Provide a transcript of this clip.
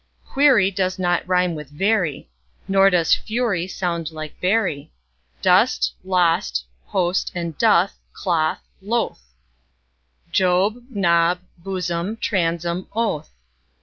Query does not rime with very, Nor does fury sound like bury. Dost, lost, post and doth, cloth, loth; Job, Job, blossom, bosom, oath.